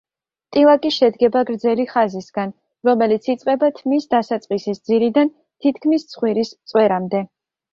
ტილაკი შედგება გრძელი ხაზისგან, რომელიც იწყება თმის დასაწყისის ძირიდან თითქმის ცხვირის წვერამდე.